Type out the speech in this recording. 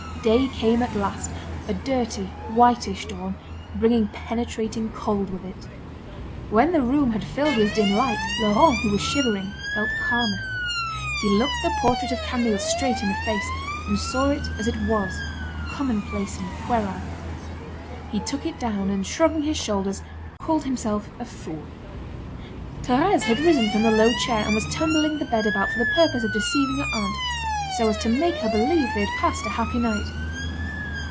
Day came at last, a dirty, whitish dawn, bringing penetrating cold with it. When the room had filled with dim light, Laurent, who was shivering, felt calmer. He looked the portrait of Camille straight in the face, and saw it as it was, commonplace and puerile. He took it down, and shrugging his shoulders, called himself a fool. Thérèse had risen from the low chair, and was tumbling the bed about for the purpose of deceiving her aunt, so as to make her believe they had passed a happy night.